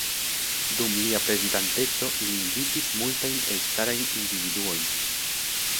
Dum lia prezidanteco li invitis multajn elstarajn individuojn.